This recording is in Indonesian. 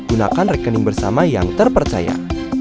gunakan rekening bersama yang terpercaya